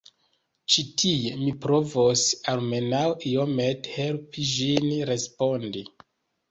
Ĉi tie mi provos almenaŭ iomete helpi ĝin respondi.